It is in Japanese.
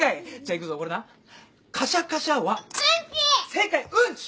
正解うんち。